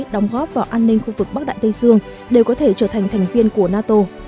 đóng góp vào an ninh khu vực bắc đại tây dương đều có thể trở thành thành viên của nato